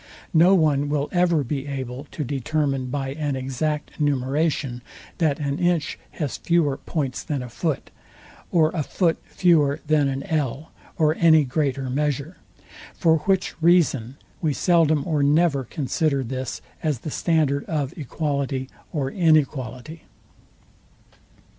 No one will ever be able to determine by an exact numeration, that an inch has fewer points than a foot, or a foot fewer than an ell or any greater measure: for which reason we seldom or never consider this as the standard of equality or inequality.